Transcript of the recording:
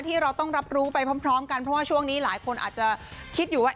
ที่เราต้องรับรู้ไปพร้อมกันเพราะว่าช่วงนี้หลายคนอาจจะคิดอยู่ว่า